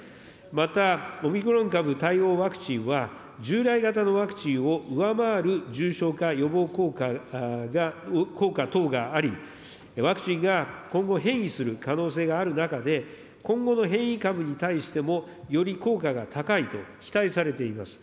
また、オミクロン株対応ワクチンは、従来型のワクチンを上回る重症化予防効果等があり、ワクチンが今後、変異する可能性がある中で、今後の変異株に対してもより効果が高いと期待されています。